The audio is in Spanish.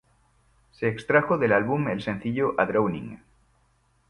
Se extrajo del álbum el sencillo "A Drowning".